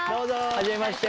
はじめまして。